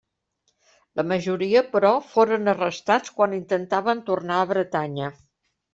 La majoria, però, foren arrestats quan intentaven tornar a Bretanya.